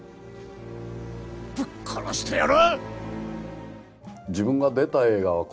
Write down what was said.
ぶっ殺してやる。